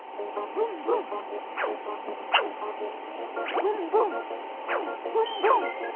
ブンブンブンブン。